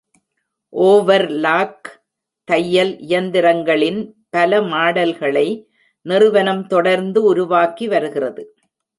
Overlock தையல் இயந்திரங்களின் பல மாடல்களை நிறுவனம் தொடர்ந்து உருவாக்கி வருகிறது.